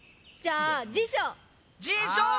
じゃあ辞書！